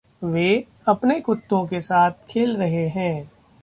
वे अपने कुत्तों के साथ खेल रहे हैं।